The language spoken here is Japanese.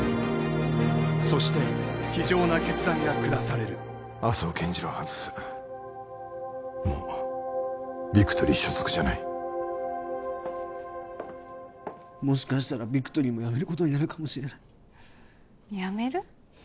そして非情な決断が下される麻生健次郎は外すもうビクトリー所属じゃないもしかしたらビクトリーも辞めることになるかもしれない辞める？